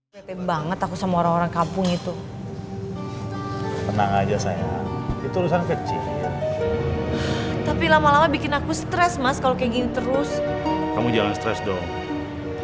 loh kok gak ada emasnya